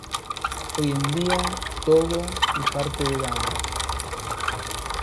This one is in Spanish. Hoy en día Togo y parte de Ghana.